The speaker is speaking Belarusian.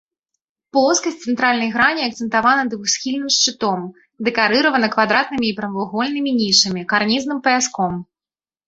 Плоскасць цэнтральнай грані акцэнтавана двухсхільным шчытом, дэкарыравана квадратнымі і прамавугольнымі нішамі, карнізным паяском.